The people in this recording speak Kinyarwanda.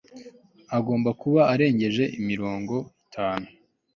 agomba kuba arengeje mirongo itanu